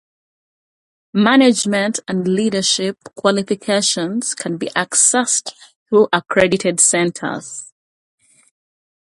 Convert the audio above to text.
Management and Leadership qualifications can be accessed through accredited centres.